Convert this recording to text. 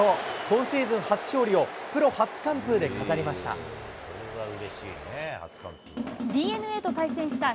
今シーズン初勝利をプロ初完封で飾りました。